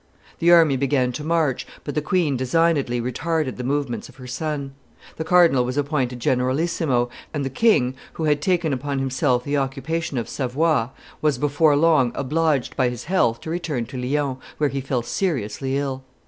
The army began to march, but the queen designedly retarded the movements of her son. The cardinal was appointed generalissimo, and the king, who had taken upon himself the occupation of Savoy, was before long obliged by his health to return to Lyons, where he fell seriously ill.